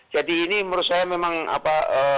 jadi ini menurut saya memang apa